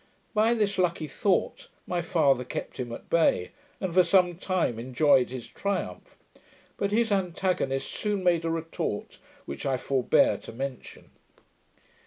By this lucky thought my father kept him at bay, and for some time enjoyed his triumph; but his antagonist soon made a retort, which I forbear to mention.